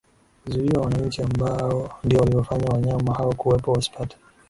zuiwe wananchi ambao ndio waliowafanya wanyama hao kuwepo wasipate